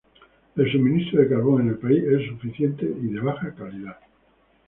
El suministro de carbón en el país es insuficiente y de baja calidad.